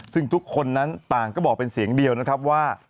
ซึ่งทุกคนนั้นต่างก็บอกเป็นเสียงเดียวนะครับว่า